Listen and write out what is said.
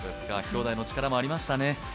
きょうだいの力もありましたね。